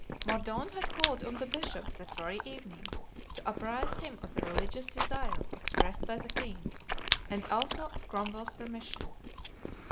Mordaunt had called on the bishop that very evening to apprise him of the religious desire expressed by the king and also of Cromwell's permission.